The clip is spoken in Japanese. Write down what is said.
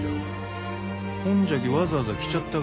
ほんじゃきわざわざ来ちゃったがじゃ。